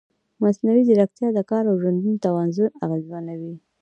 مصنوعي ځیرکتیا د کار او ژوند توازن اغېزمنوي.